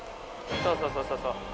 そうそうそうそう。